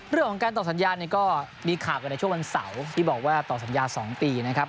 เรื่องของการต่อสัญญาเนี่ยก็มีข่าวกันในช่วงวันเสาร์ที่บอกว่าต่อสัญญา๒ปีนะครับ